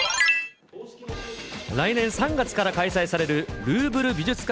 来年３月から開催されるルーヴル美術館